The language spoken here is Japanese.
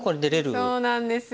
そうなんですよ。